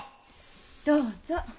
どうぞ。